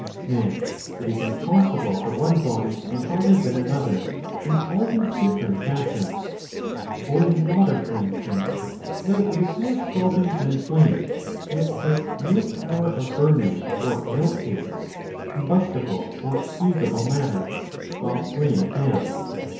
Now it is impossible for one body to be hotter than another in all these different fashions. Boiling water for instance, though it is more scalding than flame, yet has no power of burning or melting combustible or fusible matter, while flame has.